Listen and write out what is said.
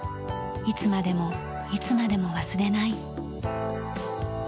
「いつまでもいつまでも忘れない」